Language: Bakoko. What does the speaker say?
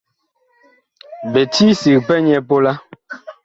Bi ti sig pɛ nyɛ pola.